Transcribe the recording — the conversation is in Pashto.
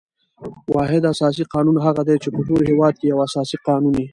واحد اساسي قانون هغه دئ، چي په ټول هیواد کښي یو اساسي قانون يي.